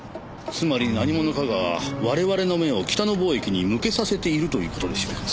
つまり何者かが我々の目を北野貿易に向けさせているという事でしょうか？